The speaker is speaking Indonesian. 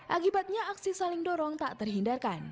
akibatnya aksi saling dorong tak terhindarkan